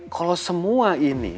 kalo semua ini